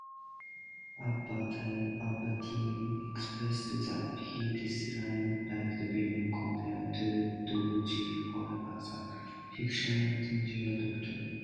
Ambati expressed that he disliked being compared to Doogie Howser, the fictional teenage doctor.